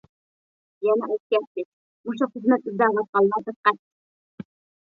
يەنە ئەسكەرتىش: مۇشۇ خىزمەت ئىزدەۋاتقانلار دىققەت!